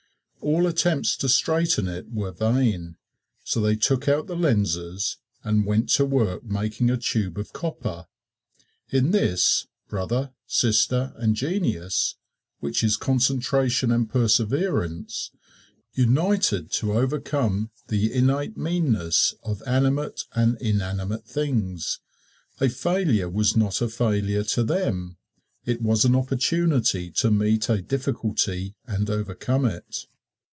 All attempts to straighten it were vain, so they took out the lenses and went to work making a tube of copper. In this, brother, sister and genius which is concentration and perseverance united to overcome the innate meanness of animate and inanimate things. A failure was not a failure to them it was an opportunity to meet a difficulty and overcome it.